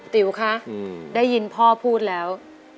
ติ๋วคะได้ยินพ่อพูดแล้ว